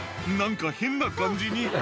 何か変な感じに」